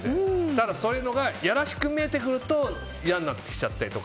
ただ、そういうのが嫌らしく見えてくると嫌になってきちゃったり。